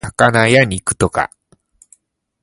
魚や肉とか